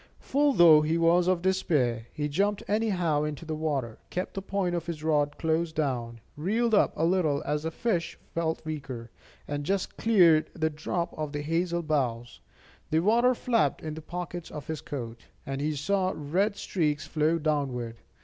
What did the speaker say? Full though he was of despair, he jumped anyhow into the water, kept the point of his rod close down, reeled up a little as the fish felt weaker, and just cleared the drop of the hazel boughs. The water flapped into the pockets of his coat, and he saw red streaks flow downward.